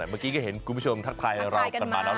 เมื่อกี้ก็เห็นคุณผู้ชมทักทายเรากันมาแล้ว